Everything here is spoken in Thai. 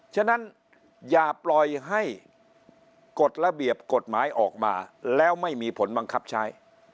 ฉะนั้นอย่าปล่อยให้กฎระเบียบกฎหมายออกมาแล้วไม่มีผลบังคับใช้